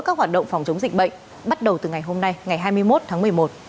các hoạt động phòng chống dịch bệnh bắt đầu từ ngày hôm nay ngày hai mươi một tháng một mươi một